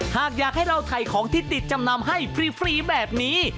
หากอยากให้เราถ่ายของที่ติดจำนำให้ฟรีแบบนี้